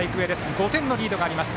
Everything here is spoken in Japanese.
５点のリードがあります。